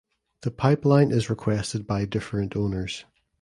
The pipeline is requested by different owners.